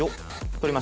取り